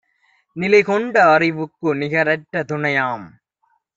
நிலைகொண்ட அறிவுக்கு நிகரற்ற துணையாம்;